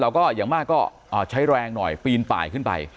อย่างมากก็ใช้แรงหน่อยปีนป่ายขึ้นไป